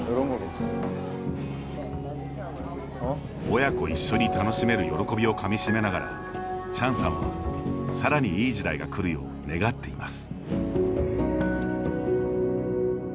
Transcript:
親子一緒に楽しめる喜びをかみしめながら、チャンさんはさらにいい時代が来るよう願っています。